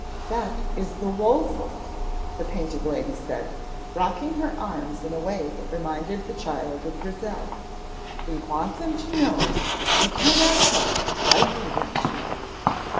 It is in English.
"That is the woeful thing," the Painted Lady said, rocking her arms in a way that reminded the child of Grizel. "We want them to know, we cannot help liking them to know!"